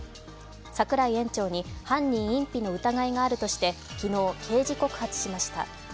櫻井園長に犯人隠避の疑いがあるとして昨日、刑事告発しました。